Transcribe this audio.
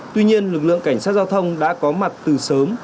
tuy nhiên lực lượng cảnh sát giao thông đã có mặt từ sớm